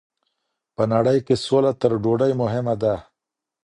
په نړۍ کي سوله تر ډوډۍ مهمه ده.